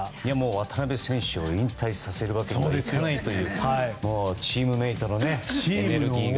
渡邊選手を引退させるわけにいかないというチームメートのエネルギーが。